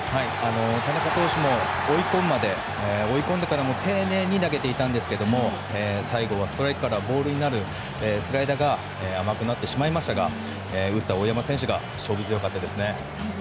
田中投手も追い込んでから丁寧に投げていたんですが最後はストライクからボールになるスライダーが甘くなってしまいましたが打った大山選手が勝負強かったですね。